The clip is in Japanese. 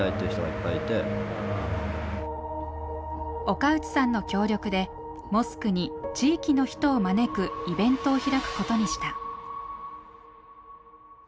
岡内さんの協力でモスクに地域の人を招くイベントを開くことにした。